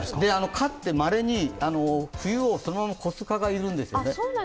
蚊ってまれに冬をそのまま越す蚊がいるんですね。